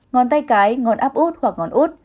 ngón tay cái ngón áp út hoặc ngón út